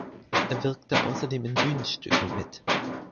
Er wirkte außerdem in Bühnenstücken mit.